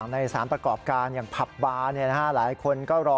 ในสารประกอบการอย่างผับบาร์หลายคนก็รอ